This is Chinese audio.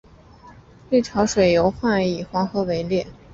历朝水患尤以黄河为烈。